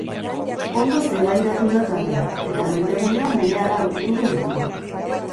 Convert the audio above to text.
Ondo zelairatu da taldea, eta berdegunean berehala aurkitu du lekua.